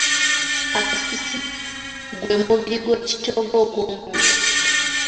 Akasisi gwe mubiri gw’ekitoogo ogw’omunda.